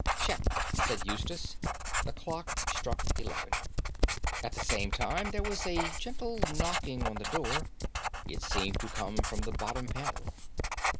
"Check!" said Eustace. The clock struck eleven. At the same time there was a gentle knocking on the door; it seemed to come from the bottom panel.